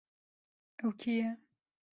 Ew kî ye?